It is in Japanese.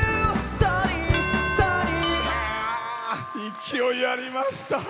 勢いありました。